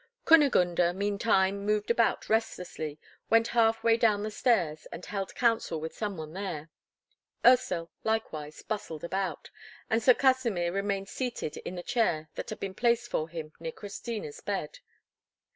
Kunigunde, meantime, moved about restlessly, went half way down the stairs, and held council with some one there; Ursel likewise, bustled about, and Sir Kasimir remained seated on the chair that had been placed for him near Christina's bed.